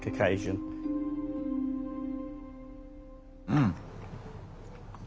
うん。